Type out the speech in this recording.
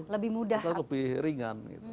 lebih mudah atau lebih ringan